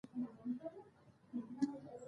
د ژمی موسم کی ګرمی جامی اغوستل ضروري ده.